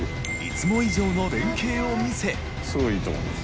すごいいいと思います。